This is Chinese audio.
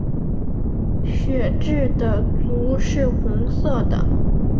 血雉的足是红色的。